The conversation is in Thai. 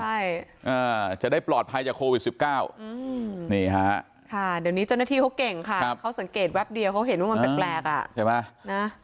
ใช่จะได้ปลอดภัยจากโควิด๑๙นี่ฮะค่ะเดี๋ยวนี้เจ้าหน้าที่เขาเก่งค่ะเขาสังเกตแป๊บเดียวเขาเห็นว่ามันแปลกอ่ะใช่ไหม